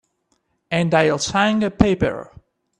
And I'll sign a paper.